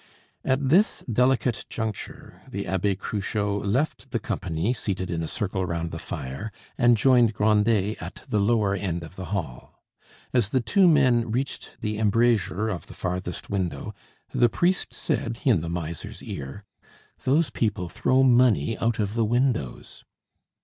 At this delicate juncture the Abbe Cruchot left the company seated in a circle round the fire and joined Grandet at the lower end of the hall. As the two men reached the embrasure of the farthest window the priest said in the miser's ear: "Those people throw money out of the windows."